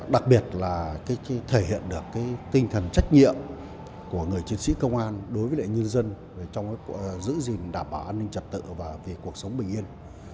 đặc biệt là thể hiện được cái tinh thần trách nhiệm của người chiến sĩ công an đối với đại nhân dân trong cái giữ gìn đảm bảo an ninh trật tự và về cuộc sống bình yên